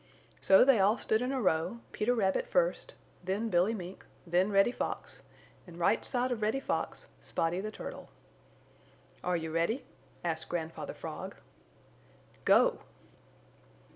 So they all stood in a row, Peter Rabbit first, the Billy Mink, then Reddy Fox, and right side of Reddy Fox Spotty the Turtle. "Are you ready?" asked Grandfather Frog. "Go!"